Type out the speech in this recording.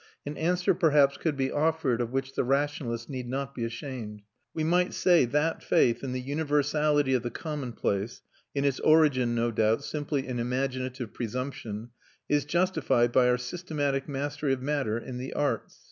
An answer perhaps could be offered of which the rationalist need not be ashamed. We might say that faith in the universality of the commonplace (in its origin, no doubt, simply an imaginative presumption) is justified by our systematic mastery of matter in the arts.